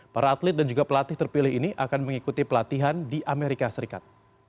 para atlet dan juga pelatih terpilih ini akan mengikuti pelatihan di amerika serikat